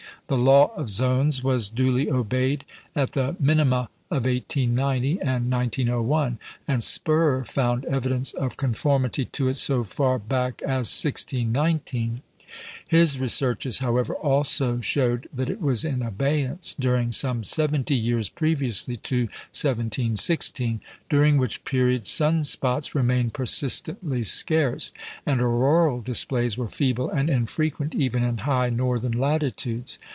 The "law of zones" was duly obeyed at the minima of 1890 and 1901, and Spörer found evidence of conformity to it so far back as 1619. His researches, however, also showed that it was in abeyance during some seventy years previously to 1716, during which period sun spots remained persistently scarce, and auroral displays were feeble and infrequent even in high northern latitudes.